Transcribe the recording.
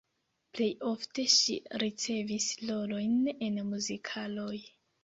Plej ofte ŝi ricevis rolojn en muzikaloj.